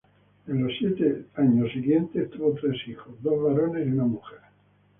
En los próximos siete años tuvo tres hijos: dos varones y una mujer.